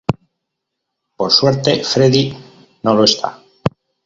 Por suerte Freddy no lo está.